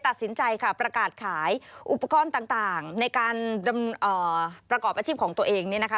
ตัดสินใจค่ะประกาศขายอุปกรณ์ต่างในการประกอบอาชีพของตัวเองเนี่ยนะคะ